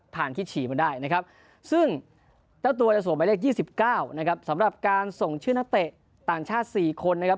แต่ตัวจะส่วนมาอีก๒๙สำหรับการส่งชื่อนักเตะต่างชาติสี่คนนะครับ